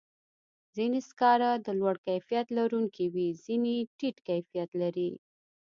ځینې سکاره د لوړ کیفیت لرونکي وي، ځینې ټیټ کیفیت لري.